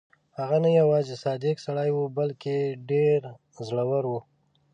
هغه نه یوازې صادق سړی وو بلکې ډېر زړه ور وو.